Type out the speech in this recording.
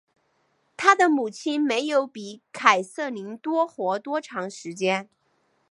她的母亲没有比凯瑟琳多活多长时间。